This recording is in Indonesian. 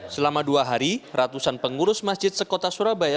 selama dua hari ratusan pengurus masjid sekota surabaya